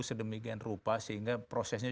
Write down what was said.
sedemikian rupa sehingga prosesnya